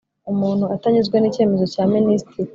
umuntu atanyuzwe n icyemezo cya Minisitiri